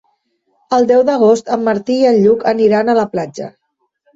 El deu d'agost en Martí i en Lluc aniran a la platja.